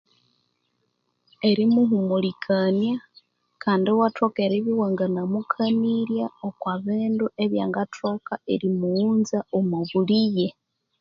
Erimuhumulikania kandi iwathoka eribya iwanganamukanirya okwa bindu ebyangathoka erimughunza omwa bulighe.